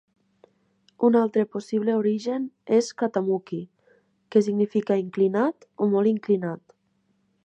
Un altre possible origen és "katamuki", que significa 'inclinat' o 'molt inclinat'.